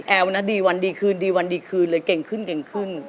แอลนะดีวันดีคืนเลยเก่งขึ้น